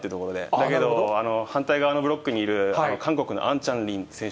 だけど、反対側のブロックにいる韓国のアン・チャンリン選手。